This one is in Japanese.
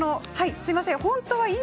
すいません。